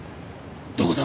どこだ？